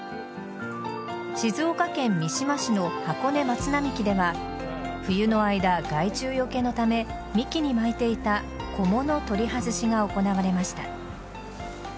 静岡県三島市の箱根松並木では冬の間、害虫よけのため幹に巻いていたこもの取り外しが行われました。